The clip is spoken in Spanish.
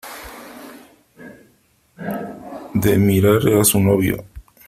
de mirar a su novio .